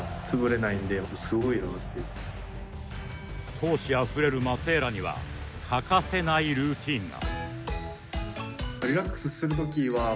闘志あふれるマテーラには欠かせないルーティーンが。